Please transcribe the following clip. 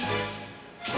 rum tuh panggilnya